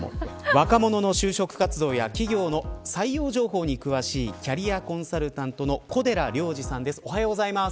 若者の就職活動や企業の採用情報に詳しいキャリアコンサルタントの小寺良二さんです。